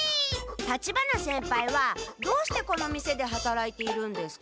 立花先輩はどうしてこの店ではたらいているんですか？